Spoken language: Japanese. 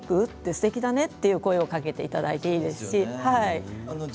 すてきだねっていう声をかけていただきたいです。